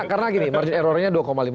karena gini margin errornya dua sembilan